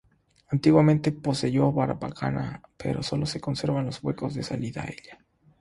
Antiguamente poseyó barbacana, pero sólo se conservan los huecos de salida a ella.